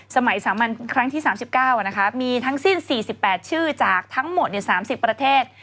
สมัยสามัญครั้งที่๓๙มีทั้งสิ้น๔๘ชื่อจากทั้งหมด๓๐ประเทศ